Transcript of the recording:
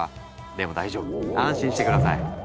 でも大丈夫安心して下さい。